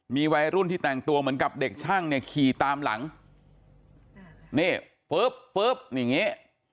มีวัยรุ่นที่แต่งตัวเหมือนกับเด็กช่างเนี่ยขี่ตามหลังนี่ปุ๊บปุ๊บอย่างนี้